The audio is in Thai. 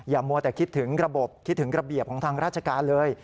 มัวแต่คิดถึงระบบคิดถึงระเบียบของทางราชการเลย